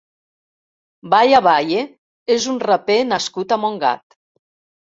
Baya Baye és un raper nascut a Montgat.